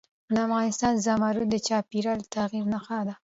افغانستان کې زمرد د چاپېریال د تغیر نښه ده.